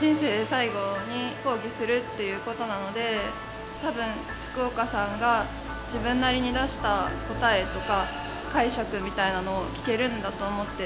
最後に講義するっていう事なので多分福岡さんが自分なりに出した答えとか解釈みたいなのを聞けるんだと思って。